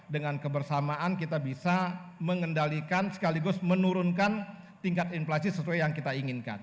dengan kebersamaan kita bisa mengendalikan sekaligus menurunkan tingkat inflasi sesuai yang kita inginkan